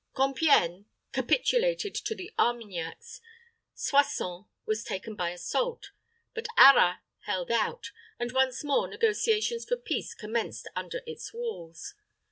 Compiegne capitulated to the Armagnacs; Soissons was taken by assault; but Arras held out, and once more negotiations for peace commenced under its walls.